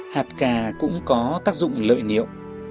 hạt cà cũng có tác dụng lợi niệu